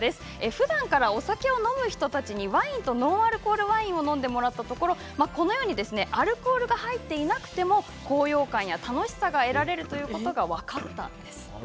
ふだんからお酒を飲む人たちにワインとノンアルコールワインを飲んでもらったところアルコールが入っていなくても高揚感や楽しさが得られるということが分かったんです。